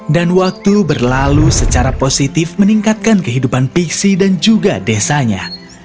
dan waktu berlalu secara positif meningkatkan kehidupan pixie dan juga desanya